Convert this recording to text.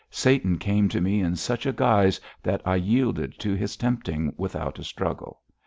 Satan came to me in such a guise that I yielded to his tempting without a struggle.